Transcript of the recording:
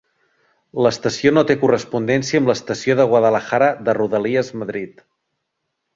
L'estació no té correspondència amb l'estació de Guadalajara de Rodalies Madrid.